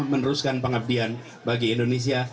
meneruskan pengabdian bagi indonesia